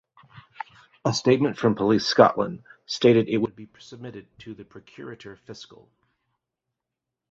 A statement from Police Scotland stated it would be submitted to the Procurator Fiscal.